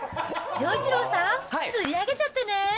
丈一郎さん、釣り上げちゃってね。